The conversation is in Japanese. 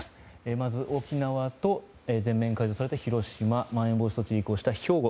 まず沖縄と全面解除された広島まん延防止措置に移行した兵庫